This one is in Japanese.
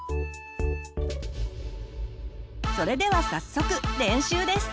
それでは早速練習です。